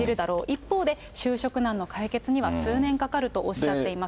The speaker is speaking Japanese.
一方で、就職難の解決には数年かかるとおっしゃっています。